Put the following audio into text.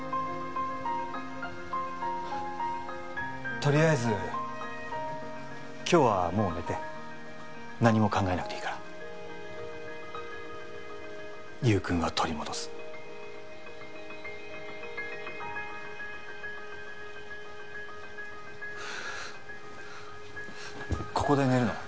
とりあえず今日はもう寝て何も考えなくていいから優君は取り戻すここで寝るの？